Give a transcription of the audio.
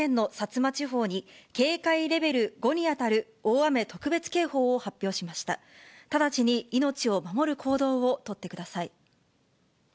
直ちに命を守る行動を取ってください。